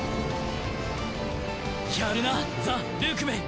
やるなザ・ルークメン！